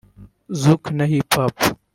zouk na hip hop